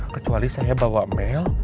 kecuali saya bawa mail